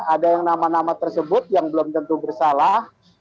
ada yang nama nama tersebut yang belum tentu bersalah